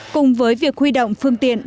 cùng với việc huy động phương tiện